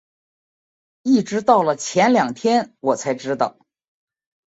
一直到了前两天我才知道